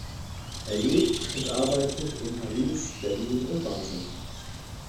Er lebt und arbeitet in Paris, Berlin und Basel.